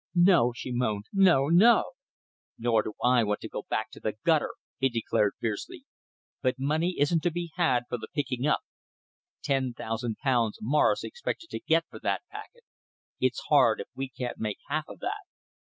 "No!" she moaned. "No! no!" "Nor do I want to go back to the gutter," he declared fiercely. "But money isn't to be had for the picking up. Ten thousand pounds Morris expected to get for that packet. It's hard if we can't make half of that."